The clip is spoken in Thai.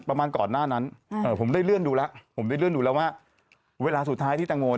ประมาณก่อนหน้านั้นผมได้เลื่อนดูแล้วว่าเวลาสุดท้ายที่ทางโมน